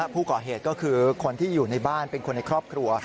ผู้ก่อเหตุก็คือคนที่อยู่ในบ้านเป็นคนในครอบครัว